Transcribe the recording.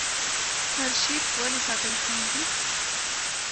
ارشیف ولې ساتل کیږي؟